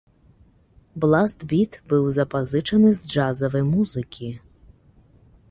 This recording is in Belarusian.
Бласт-біт быў запазычаны з джазавай музыкі.